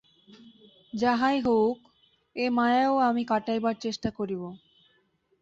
যাহাই হউক, এ মায়াও আমি কাটাইবার চেষ্টা করিব।